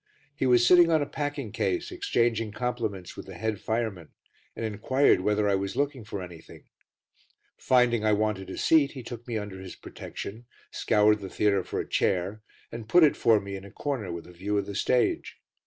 He was sitting on a packing case, exchanging compliments with the head fireman, and inquired whether I was looking for anything; finding I wanted a seat he took me under his protection, scoured the theatre for a chair, and put it for me in a corner with a view of the stage.